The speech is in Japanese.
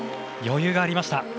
余裕がありました。